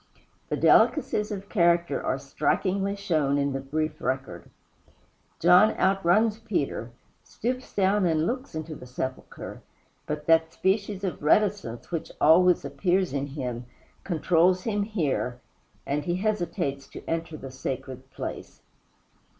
The delicacies of character are strikingly shown in the brief record. John outruns Peter, stoops down and looks into the sepulchre; but that species of reticence which always appears in him controls him here he hesitates to enter the sacred place.